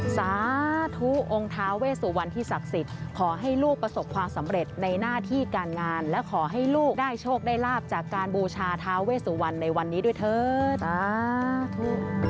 สาธุองค์ท้าเวสุวรรณที่ศักดิ์สิทธิ์ขอให้ลูกประสบความสำเร็จในหน้าที่การงานและขอให้ลูกได้โชคได้ลาบจากการบูชาท้าเวสุวรรณในวันนี้ด้วยเถิดสาธุ